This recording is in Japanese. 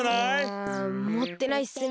あもってないっすね。